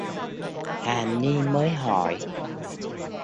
Hà ni mới hỏi